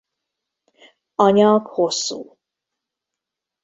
A nyak hosszú.